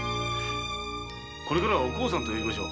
これからは「お幸さん」と呼びましょう。